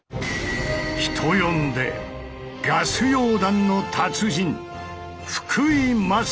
人呼んでガス溶断の達人福井勝。